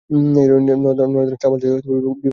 Northern ট্রান্সভালের বিপক্ষে century করেন।